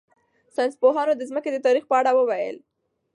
ساینس پوهانو د ځمکې د تاریخ په اړه وویل.